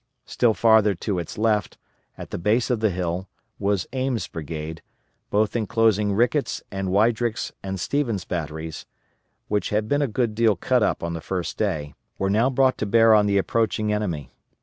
Still farther to its left, at the base of the hill, was Ames' brigade, both enclosing Rickett's and Weidrick's and Stevens' batteries, which had been a good deal cut up on the first day, were now brought to bear on the approaching enemy.